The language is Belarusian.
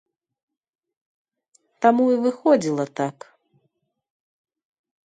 Таму і выходзіла так.